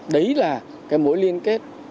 đấy là cái mối liên kết